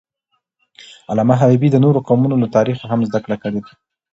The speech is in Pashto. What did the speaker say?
علامه حبیبي د نورو قومونو له تاریخه هم زدهکړه کړې ده.